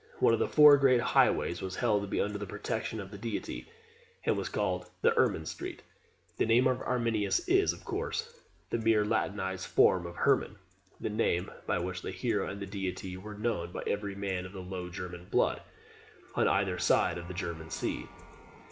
One of the four great highways was held to be under the protection of the deity, and was called the "Irmin street." The name Arminius is, of course, the mere Latinized form of "Herman," the name by which the hero and the deity were known by every man of Low German blood, on either side of the German Sea.